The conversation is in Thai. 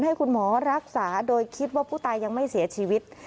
ให้คุณหมอรักษาโดยคิดว่าผู้ตายยังไม่เสียชีวิต